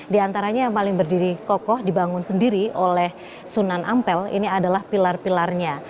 di antaranya yang paling berdiri kokoh dibangun sendiri oleh sunan ampel ini adalah pilar pilarnya